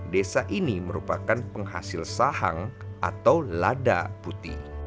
desa ini merupakan penghasil sahang atau lada putih